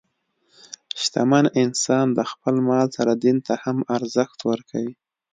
شتمن انسان د خپل مال سره دین ته هم ارزښت ورکوي.